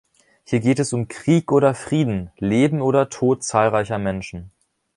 Hier geht es um Krieg oder Frieden, Leben oder Tod zahlreicher Menschen.